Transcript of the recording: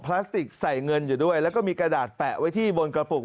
พลาสติกใส่เงินอยู่ด้วยแล้วก็มีกระดาษแปะไว้ที่บนกระปุก